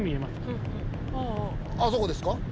あそこですか？